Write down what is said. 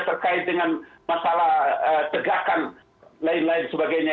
terkait dengan masalah tegakan lain lain sebagainya